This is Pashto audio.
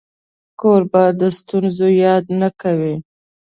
کوربه د ستونزو یاد نه کوي.